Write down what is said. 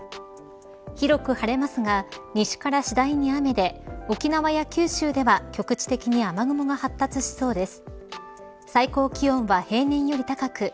広く晴れますが西から次第に雨で沖縄や九州では、局地的に雨雲が発達しそうです。